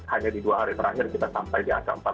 hanya di dua hari terakhir kita sampai di angka empat puluh